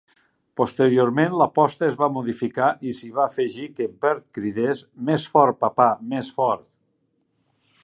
Posteriorment l'aposta es va modificar i s'hi va afegir que Bird cridés "Més fort, papa, més fort".